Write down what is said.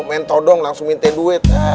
mentoh dong langsung mintain duit